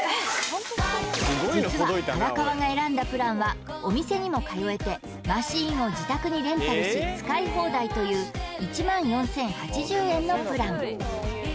実は荒川が選んだプランはお店にも通えてマシンを自宅にレンタルし使い放題という１万４０８０円のプラン